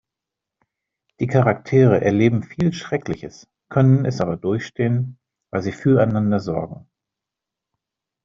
Die Charaktere erleben viel Schreckliches, können es aber durchstehen, weil sie füreinander sorgen.